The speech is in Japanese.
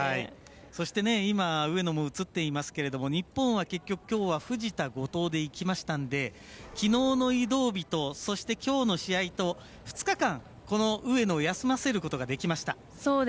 そして、上野も映っていますが日本は、結局は藤田、後藤でいきましたのできのうの移動日とそしてきょうの試合と２日間、上野を休ませることができました。